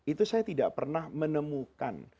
itu saya tidak pernah menemukan